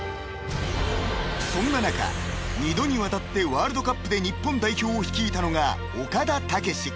［そんな中二度にわたってワールドカップで日本代表を率いたのが岡田武史］